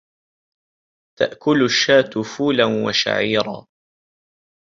تَأْكُلُ الشَّاةُ فُولًا وَشَعِيرًا.